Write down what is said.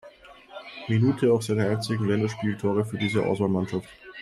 Minute auch seine einzigen Länderspieltore für diese Auswahlmannschaft.